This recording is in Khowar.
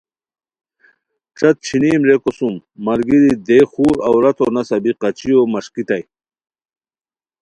ݯت چھینیم ریکو سوم ملگیری دئے خور عورتو نسہ بی قچیو مݰکیتائے